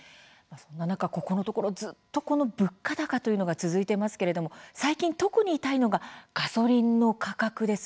ここのところずっと物価高が続いていますけれども最近特に痛いのがガソリン価格です。